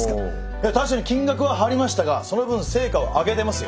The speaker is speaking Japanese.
確かに金額は張りましたがその分成果は上げてますよ？